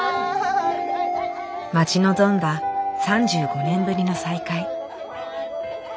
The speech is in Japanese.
待ち望んだ３５年ぶりの再会。